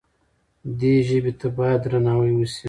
دې ژبې ته باید درناوی وشي.